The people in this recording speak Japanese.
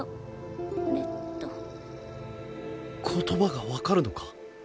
言葉が分かるのか？